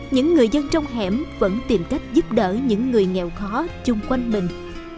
những người dân trong hẻm vẫn tìm cách giúp đỡ những người nghèo khó chung quanh mình